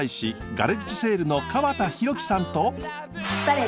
ガレッジセールの川田広樹さんと。